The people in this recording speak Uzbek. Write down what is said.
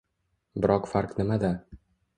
Biroq farq nimada?